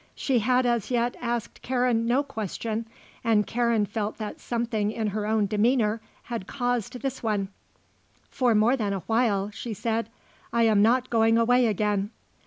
She had as yet asked Karen no question and Karen felt that something in her own demeanour had caused this one. "For more than a while," she said. "I am not going away again."